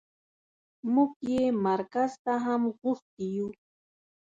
موږ يې مرکز ته هم غوښتي يو.